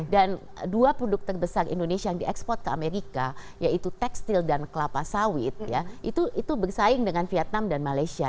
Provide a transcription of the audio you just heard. dan dua produk terbesar indonesia yang diekspor ke amerika yaitu tekstil dan kelapa sawit itu bersaing dengan vietnam dan malaysia